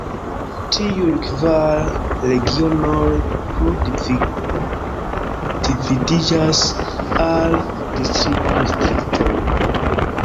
Tiuj kvar regionoj plu dividiĝas al distriktoj.